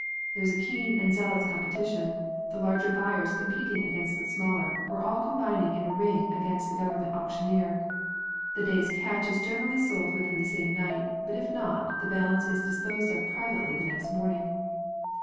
There is a keen and zealous com petition, the larger buyers competing against the smaller, or all combining in a ring against the Govern ment auctioneer. The day's catch is generally sold within the same night, but if not, the balance is dis posed of privately the next morning.